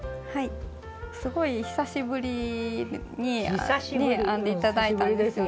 すごい久しぶりにね編んで頂いたんですよね。